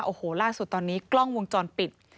โอ้โหล่าสุดตอนนี้กล้องวงจรปิด